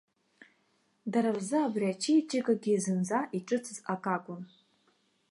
Дара рзы абри ачеиџьыкагьы зынӡа иҿыцыз ак акәын.